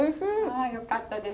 あっよかったです。